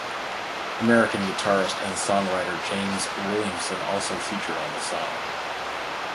American guitarist and songwriter James Williamson also featured on the song.